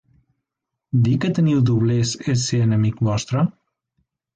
Dir que teniu doblers és ser enemic vostre?